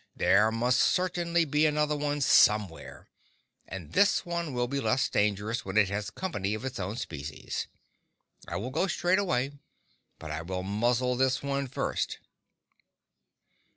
There must certainly be another one somewhere, and this one will be less dangerous when it has company of its own species. I will go straightway; but I will muzzle this one first.